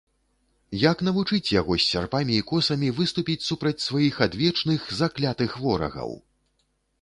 Як навучыць яго з сярпамі і косамі выступіць супраць сваіх адвечных, заклятых ворагаў?